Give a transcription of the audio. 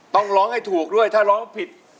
ต้องร้องให้ถูกด้วยถ้าร้องผิด